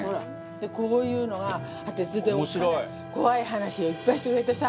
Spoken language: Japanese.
こういうのがおっかない怖い話をいっぱいしてくれてさ。